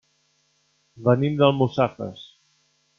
Venim d'Almussafes.